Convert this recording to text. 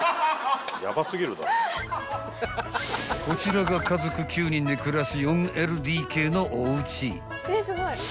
［こちらが家族９人で暮らす４ＬＤＫのおうち］